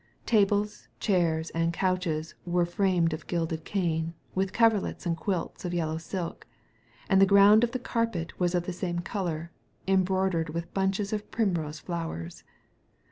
Tables, chairs, and couches were framed of gilded cane, with coverlets and quilts of yellow silk, and the ground of the carpet was of the same colour, embroidered with bunches of primrose flowers.